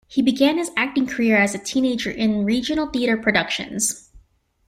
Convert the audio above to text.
He began his acting career as a teenager in regional theater productions.